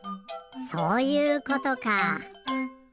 そういうことか。